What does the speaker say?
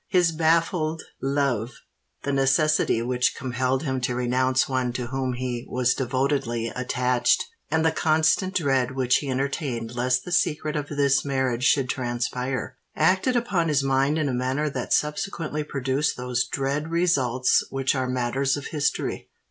"His baffled love—the necessity which compelled him to renounce one to whom he was devotedly attached—and the constant dread which he entertained lest the secret of this marriage should transpire, acted upon his mind in a manner that subsequently produced those dread results which are matters of history."